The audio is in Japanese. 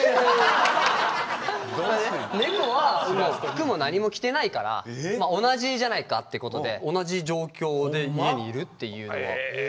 猫は服も何も着てないから同じじゃないかってことで同じ状況で家にいるっていうのは。